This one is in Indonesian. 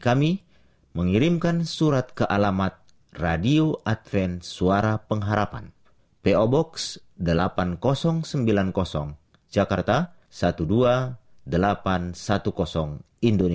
sampai jumpa di video selanjutnya